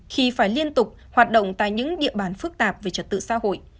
khi phải liên tục hoạt động tại những địa bàn phức tạp về trật tự xã hội